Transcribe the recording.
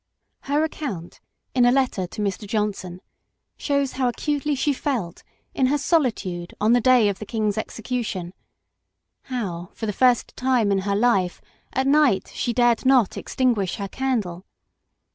Her account, in a letter to Mr. Johnson, shows how acutely she felt in her solitude on the day of the King's execution ; how, for the first time in her life, at night she dared not extinguish her candle.